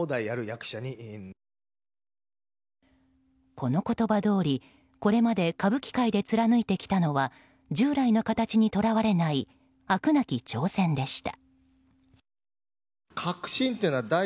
この言葉どおりこれまで歌舞伎界で貫いてきたのは従来の形にとらわれない飽くなき挑戦でした。